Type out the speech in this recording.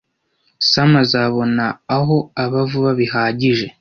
Sam azabona aho aba vuba bihagije.